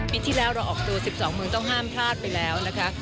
ที่แล้วเราออกตัว๑๒เมืองต้องห้ามพลาดไปแล้วนะคะ